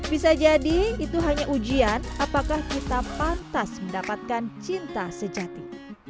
bisa jadi itu hanya ujian apakah kita pantas mendapatkan cinta sejati